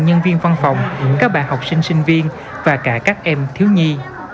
nhân viên văn phòng các bạn học sinh sinh viên và cả các em thiếu nhi